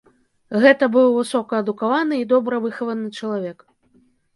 Гэта быў высокаадукаваны і добра выхаваны чалавек.